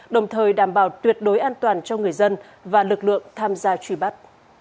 đồng thời đảm bảo tuyệt đối an toàn cho người dân và lực lượng tham gia truy bắt